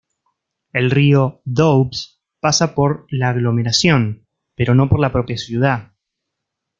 El río Doubs pasa por la aglomeración, pero no por la propia ciudad.